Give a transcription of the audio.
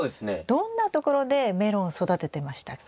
どんな所でメロンを育ててましたっけ？